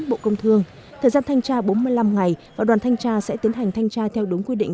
bộ công thương thời gian thanh tra bốn mươi năm ngày và đoàn thanh tra sẽ tiến hành thanh tra theo đúng quy định